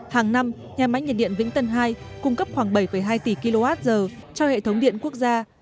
hàng năm nhà máy nhiệt điện vĩnh tân hai cung cấp khoảng bảy hai tỷ kwh cho hệ thống điện quốc gia